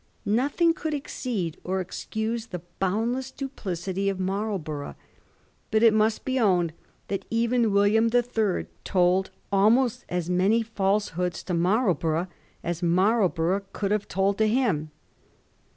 Nothing could exceed or excuse the boundless duplicity of Marlborough, but it must be owned that even William the Third told almost as many Msehoods to Marlborough as Marlborough could have told to him.